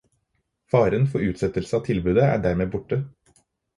Faren for utsettelse av tilbudet er dermed borte.